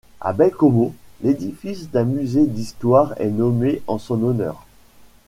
À Baie-Comeau, l'édifice d'un musée d'histoire est nommé en son honneur.